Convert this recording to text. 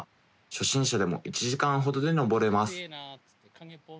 初心者でも１時間ほどで登れます。